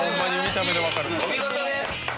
お見事です！